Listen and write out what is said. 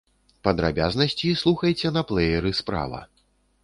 Падрабязнасці слухайце на плэйеры справа.